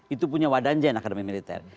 itu punya wadanjen akademi militer